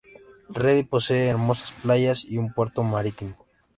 Redi posee hermosas playas y un puerto marítimo.